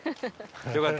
よかった？